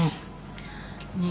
ねえ。